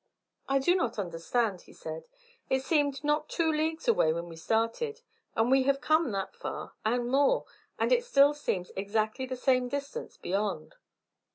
"I do not understand," he said. "It seemed not two leagues away when we started, and we have come that far and more, and still it seems exactly the same distance beyond."